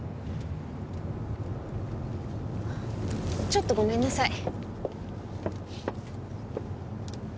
ちょっとごめんなさい。